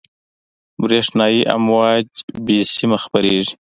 برېښنایي امواج بې سیمه خپرېږي.